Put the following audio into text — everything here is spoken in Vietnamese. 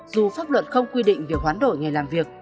dù pháp luận không quy định việc khoán đổi ngày làm việc